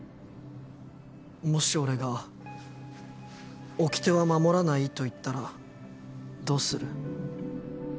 もし俺がおきては守らないと言ったらどうする？